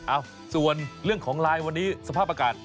เอ้าส่วนเรื่องของไลน์วันนี้สภาพอากาศ